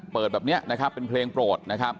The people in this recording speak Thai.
เปิดแบบนี้เป็นเพลงโปรด